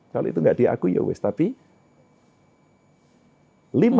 kalau itu enggak diakui ya wesh tapi